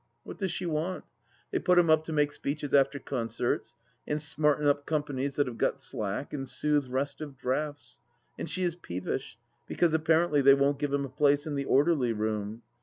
What does she want ? They put him up to make speeches after concerts, and smarten up companies that have got slack, and soothe restive drafts. ... And she is peevish, because apparently they won't give him a place in the Orderly Room.